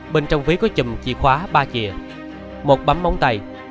bên trong ví có chùm chìa khóa ba chìa một bắm móng tay